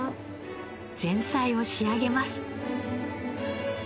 前菜を仕上げます。